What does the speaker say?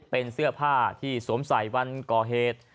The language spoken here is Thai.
เป็นเสื้อผ้าที่สวมใส่วันกฮ